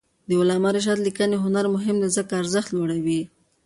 د علامه رشاد لیکنی هنر مهم دی ځکه چې ارزښت لوړوي.